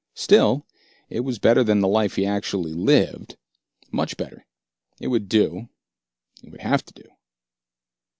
Still, it was better than the life he had actually lived, much better. It would do, it would have to do.